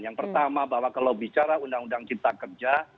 yang pertama bahwa kalau bicara undang undang cipta kerja